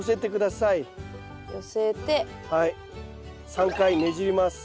３回ねじります。